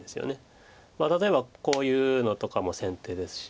例えばこういうのとかも先手ですし。